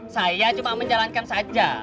saya cuma menjalankan saja